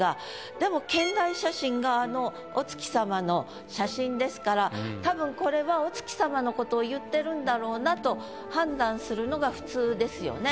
でも兼題写真があのお月さまの写真ですからたぶん。を言ってるんだろうなと判断するのが普通ですよね。